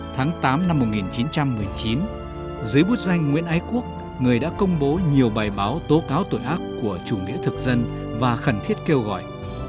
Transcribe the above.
tháng tám năm một nghìn chín trăm một mươi chín dưới bút danh nguyễn ái quốc người đã công bố nhiều bài báo tố cáo tội ác của chủ nghĩa thực dân và khẩn thiết kêu gọi